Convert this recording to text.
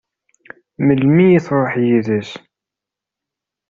Melmi i tṛuḥ yid-s?